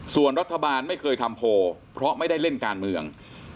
ส่วนรัฐบาลไม่เคยทำโพลเพราะไม่ได้เล่นการเมือง